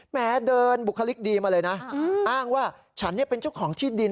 แม้เดินบุคลิกดีมาเลยนะอ้างว่าฉันเป็นเจ้าของที่ดิน